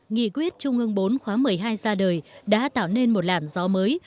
nghị quyết trung ương bốn khóa một mươi hai ra đời đã tạo nên một làn gió mới